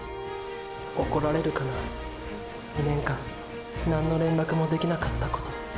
怒られるかな２年間何の連絡もできなかったこと。